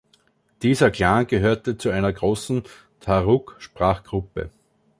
Dieser Clan gehörte zu einer großen Dharug-Sprachgruppe.